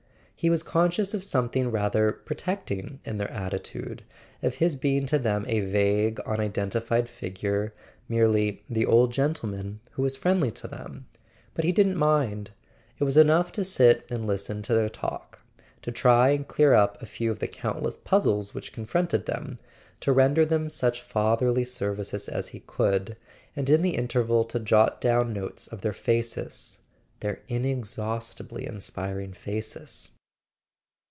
He was conscious of something rather protecting in their attitude, of his being to them a vague unidentified figure, merely "the old gentleman" who was friendly to them; but he didn't mind. It was enough to sit and listen to their talk, to try and clear up a few of the countless puzzles which confronted them, to render them such fatherly [ 417 ] A SON AT THE FRONT services as he could, and in the interval to jot down notes of their faces—their inexhaustibly inspiring faces.